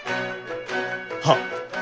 はっ。